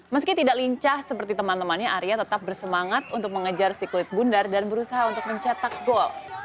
meski tidak lincah seperti teman temannya arya tetap bersemangat untuk mengejar si kulit bundar dan berusaha untuk mencetak gol